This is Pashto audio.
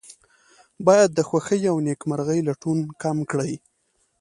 باید د خوښۍ او نیکمرغۍ لټون کم کړي.